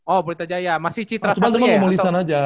oh berita jaya masih citra satria ya